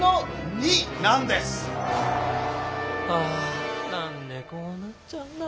あなんでこうなっちゃうんだろう！